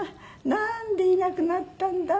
なんでいなくなったんだ？